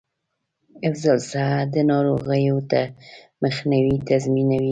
حفظ الصحه د ناروغیو مخنیوی تضمینوي.